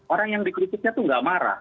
orang yang dikritiknya itu nggak marah